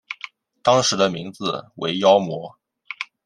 当时的名字为妖魔。